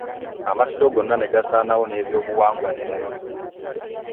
Amasiro gonna ne gasaanawo n'ebyobuwangwa n'ennono.